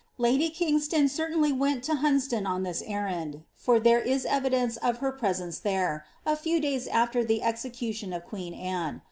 Lady Kingston certainly went to Hunsdon on this errand, for there is evidence of her presence there, a few days after the execution of queen Anne.